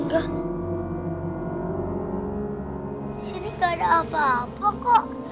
di sini gak ada apa apa kok